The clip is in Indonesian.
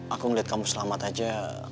aku melihat kamu selamat saja